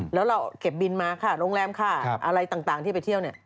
แล้วเราเก็บบินมาค่าโรงแรมค่าอะไรต่างที่ไปเที่ยวเนี่ย